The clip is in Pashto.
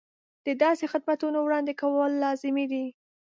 د داسې خدمتونو وړاندې کول لازمي دي.